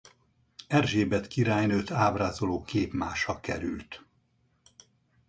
Erzsébet királynőt ábrázoló képmása került.